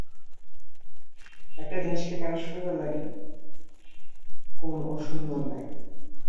একটা জিনিসকে কেন সুন্দর লাগে, কোন অসুন্দর লাগে?